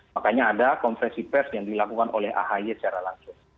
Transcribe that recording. makanya ada konferensi pers yang dilakukan oleh ahy secara langsung